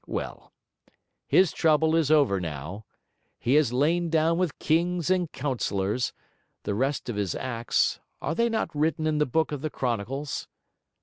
Well, his trouble is over now, he has lain down with kings and councillors; the rest of his acts, are they not written in the book of the chronicles?